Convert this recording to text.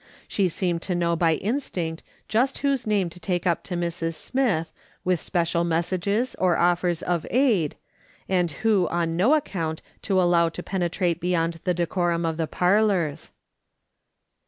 She seemed to know by instinct just whose name to take up to Mrs. Smith, with special messages, or offers of aid, and who on no account to allow to penetrate beyond the decorum of the parlours.